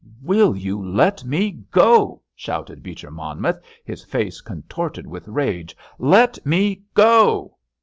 "Will you let me go?" shouted Beecher Monmouth, his face contorted with rage. "Let me go!"